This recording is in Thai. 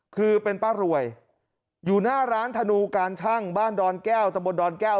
คือเป็นป้ารวยอยู่หน้าร้านธนูการชั่งบ้านดอนแก้วตะบนดอนแก้ว